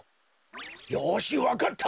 よしわかった。